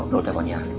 đột ra con nhà